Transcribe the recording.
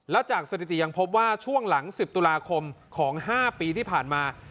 และจากสถิติยังพบว่าช่วงหลัง๑๐ตุลาคมของ๕ปีที่ผ่านมา